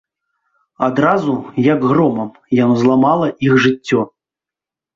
Адразу, як громам, яно зламала іх жыццё.